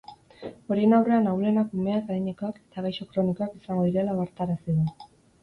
Horien aurrean ahulenak umeak, adinekoak eta gaixo kronikoak izango direla ohartarazi du.